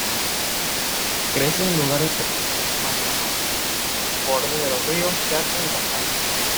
Crece en lugares húmedos y pantanosos, bordes de los ríos, charcas y pantanos.